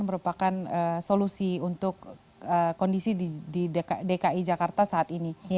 merupakan solusi untuk kondisi di dki jakarta saat ini